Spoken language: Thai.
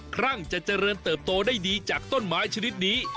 ครั่งจะเจริญเติบโตได้ดีจากต้นไม้ชนิดนี้